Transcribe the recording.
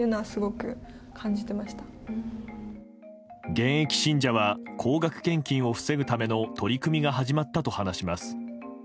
現役信者は高額献金を防ぐための取り組みが始まったと話します。